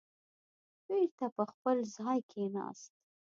بېرته په خپل ځای کېناست.